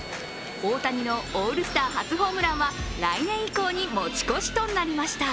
大谷のオールスタ初ホームランは来年以降に持ち越しとなりました。